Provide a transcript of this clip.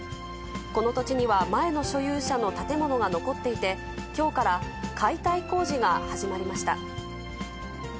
この土地には前の所有者の建物が残っていて、きょうから解体工事が始まりました。